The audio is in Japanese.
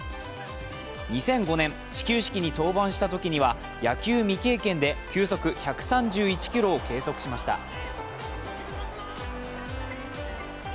２００５年始球式に登板したときには野球未経験で球速１３１キロを計測しました。